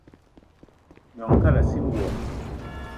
Gnong kalassina wo.